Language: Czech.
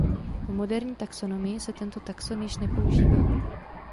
V moderní taxonomii se tento taxon již nepoužívá.